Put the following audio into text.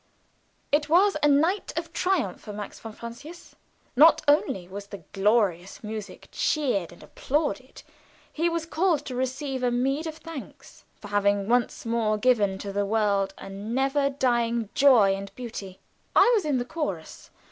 It was a night of triumph for Max von Francius. Not only was the glorious music cheered and applauded, he was called to receive a meed of thanks for having once more given to the world a never dying joy and beauty. I was in the chorus.